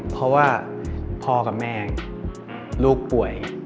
เพราะว่าพ่อกับแม่ลูกป่วย